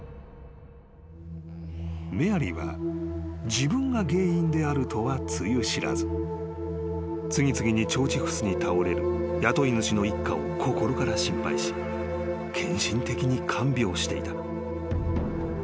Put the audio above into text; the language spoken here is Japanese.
［メアリーは自分が原因であるとはつゆ知らず次々に腸チフスに倒れる雇い主の一家を心から心配し献身的に看病していた］